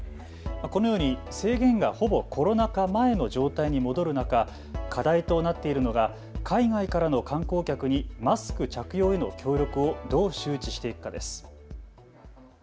このように制限はほぼコロナ禍前の状態に戻る中、課題となっているのが海外からの観光客にマスク着用への協力をどう周知していくかです。